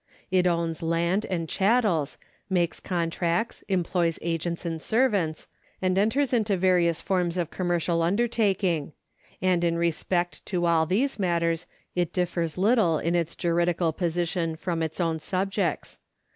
It owns land and chattels, makes contracts, employs agents and servants, and enters into various forms of commercial under taking ; and in respect of all these matters it differs little in its juridical position from its own subjects.